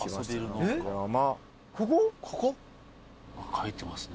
・書いてますね。